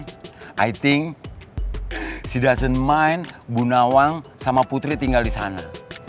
saya pikir dia gak peduli bu nawang sama putri tinggal di sana